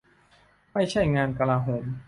ไม่ใช่งานกลาโหม